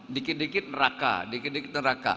dikit dikit neraka dikit dikit neraka